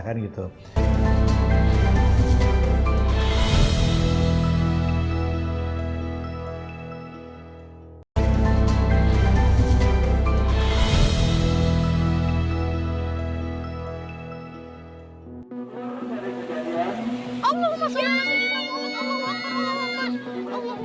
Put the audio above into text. baru nyalain pemerintah kan gitu